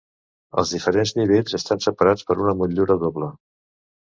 Els diferents nivells estan separats per una motllura doble.